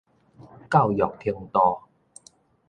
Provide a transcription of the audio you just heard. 教育程度